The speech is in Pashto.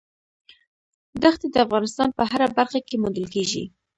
دښتې د افغانستان په هره برخه کې موندل کېږي.